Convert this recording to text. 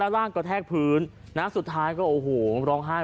ร่างกระแทกพื้นสุดท้ายก็โอ้โหร้องไห้